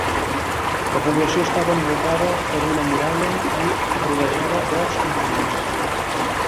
La població estava envoltada per una muralla, i rodejada d'horts i vinyes.